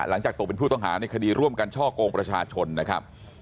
ตกเป็นผู้ต้องหาในคดีร่วมกันช่อกงประชาชนนะครับ